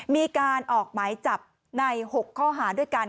มีการออกหมายจับใน๖ข้อหาด้วยกัน